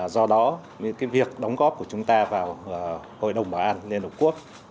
do đó việc đóng góp của chúng ta vào hội đồng bảo an liên hợp quốc